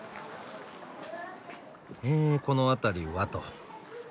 えこの辺りはと。